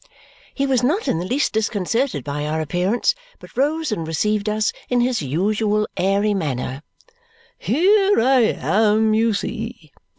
He was not in the least disconcerted by our appearance, but rose and received us in his usual airy manner. "Here I am, you see!"